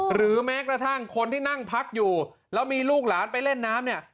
หรือแม้กระทั่งคนที่นั่งพักอยู่แล้วมีลูกหลานไปเล่นน้ำเนี่ย